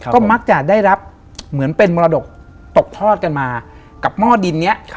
ก็มักจะได้รับเหมือนเป็นมรดกตกทอดกันมากับหม้อดินนี้